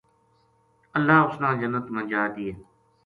اللہ اس نے جنت ما جا دیئے